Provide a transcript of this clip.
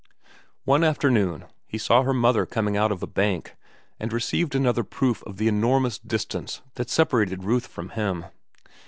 One afternoon he saw her mother coming out of a bank, and received another proof of the enormous distance that separated Ruth from him.